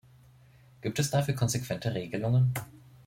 Gibt es dafür konsequente Regelungen?